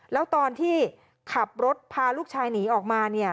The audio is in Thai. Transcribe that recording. แล้วตอนที่ขับรถพาลูกชายหนีออกมาเนี่ย